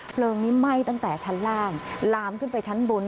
เพลิงนี้ไหม้ตั้งแต่ชั้นล่างลามขึ้นไปชั้นบน